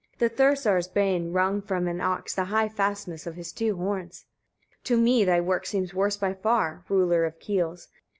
19. The Thursar's bane wrung from an ox the high fastness of his two horns. "To me thy work seems worse by far, ruler of keels!